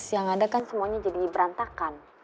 yang ada kan semuanya jadi berantakan